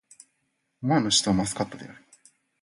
オマーンの首都はマスカットである